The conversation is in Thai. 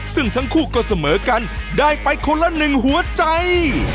ซึ่งทั้งคู่ก็เสมอกันได้ไปคนละหนึ่งหัวใจ